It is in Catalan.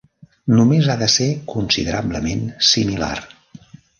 Només ha de ser considerablement similar.